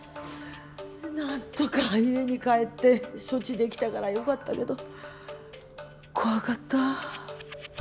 なんとか家に帰って処置できたからよかったけど怖かった。